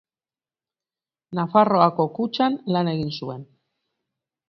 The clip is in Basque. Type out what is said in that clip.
Nafarroako Kutxan lan egin zuen.